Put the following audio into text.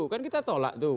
kan kita tolak tuh